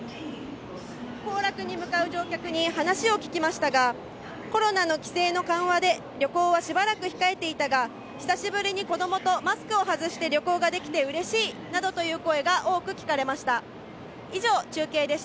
行楽に向かう乗客に話を聞きましたが、コロナの規制の緩和で旅行はしばらく控えていたが久しぶりに子供とマスクを外して旅行ができてうれしいなどという声が多く聞かれました。